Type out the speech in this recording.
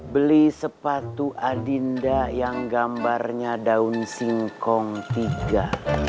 beli sepatu adinda yang gambarnya daun singkong tiga